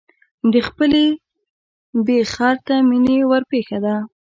د خپلې بې خرته مینې ورپېښه ده.